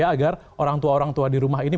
agar orang tua orang tua di rumah ini